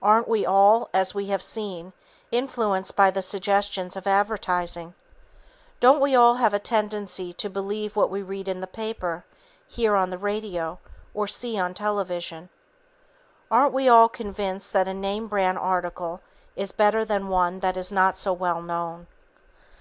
Aren't we all, as we have seen, influenced by the suggestions of advertising? Don't we all have a tendency to believe what we read in the paper, hear on the radio or see on television? Aren't we all convinced that a name brand article is better than one that is not so well known?